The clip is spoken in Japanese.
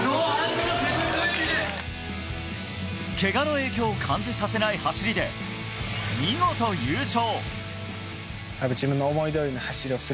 けがの影響を感じさせない走りで、見事優勝。